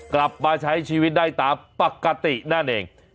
กลับมาใช้ชีวิตได้ตามปกตินั่นเอง